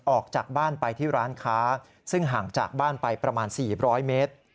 ออกจากบ้านไปที่ร้านค้าซึ่งห่างจากบ้านไปประมาณ๔๐๐เมตร